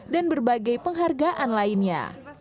dan berbagai penghargaan lainnya